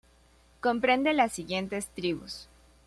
Comprende las siguientes tribus.